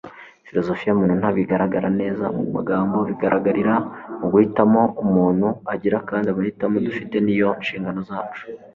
filozofiya y'umuntu ntabwo igaragara neza mu magambo; bigaragarira mu guhitamo umuntu agira kandi amahitamo dufite ni yo nshingano zacu